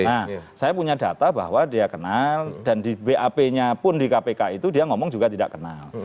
nah saya punya data bahwa dia kenal dan di bap nya pun di kpk itu dia ngomong juga tidak kenal